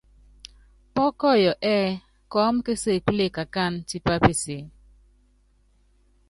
Pɔ́kɔyɔ ɛ́ɛ́ kɔɔ́m késekule kakáanɛ́ tipá peseé.